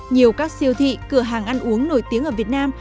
nhiều các siêu thị cửa hàng ăn uống nổi tiếng ở việt nam